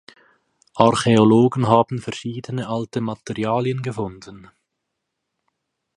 Archäologen haben verschiedene alte Materialien gefunden.